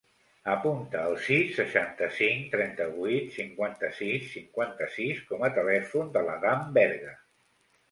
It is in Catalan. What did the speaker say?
Apunta el sis, seixanta-cinc, trenta-vuit, cinquanta-sis, cinquanta-sis com a telèfon de l'Adam Berga.